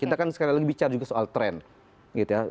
kita kan sekali lagi bicara juga soal tren gitu ya